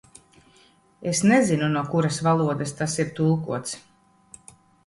Es nezinu, no kuras valodas tas ir tulkots.